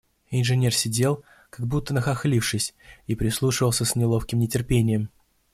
Инженер сидел, как будто нахохлившись, и прислушивался с неловким нетерпением.